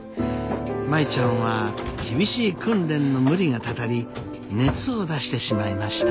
舞ちゃんは厳しい訓練の無理がたたり熱を出してしまいました。